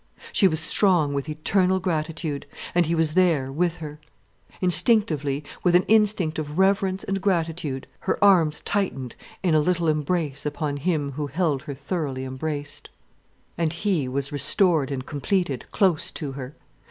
She was strong with eternal gratitude. And he was there with her. Instinctively with an instinct of reverence and gratitude, her arms tightened in a little embrace upon him who held her thoroughly embraced. And he was restored and completed, close to her.